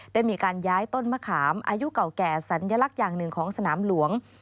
ได้มีการย้ายต้นมะขามอายุเก่าแก่สัญลักษณ์อย่างหนึ่งของสนามหลวง